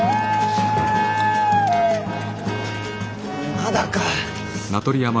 まだか！